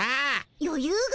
よゆうが？